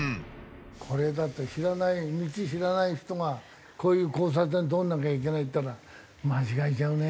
これだと知らない道知らない人がこういう交差点通らなきゃいけないってなったら間違えちゃうね。